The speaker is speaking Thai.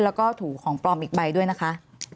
แล้วก็ถูของปลอมอีกใบด้วยนะคะ